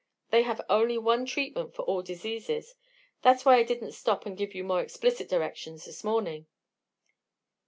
They have only one treatment for all diseases. That's why I didn't stop and give you more explicit directions this morning."